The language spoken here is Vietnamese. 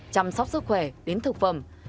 chăm sóc sức khỏe đến thực phẩm